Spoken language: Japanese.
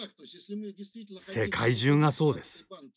世界中がそうです。